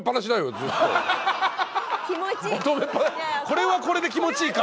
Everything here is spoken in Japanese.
これはこれで気持ちいい。